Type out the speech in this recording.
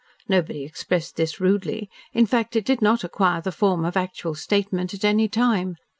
Nobody expressed this rudely; in fact, it did not acquire the form of actual statement at any time.